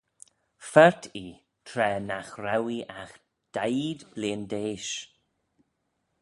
Phaart ee tra nagh row ee agh daeed blein d'eash.